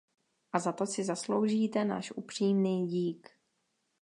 A za to si zasloužíte náš upřímný dík.